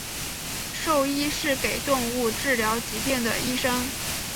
兽医是给动物治疗疾病的医生。